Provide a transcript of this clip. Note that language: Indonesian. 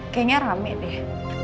kayaknya rame deh